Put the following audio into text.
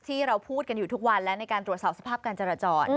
ที่เราพูดกันอยู่ทุกวันและในการตรวจสอบสภาพการจราจร